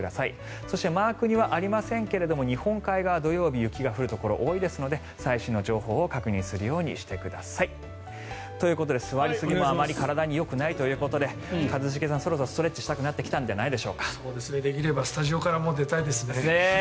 そして、マークにはありませんが日本海側、土曜日雪が降るところが多いですので最新の情報を確認するようにしてください。ということで座りすぎはあまり体によくないということで一茂さん、そろそろストレッチしてきたくなったんじゃないでしょうか。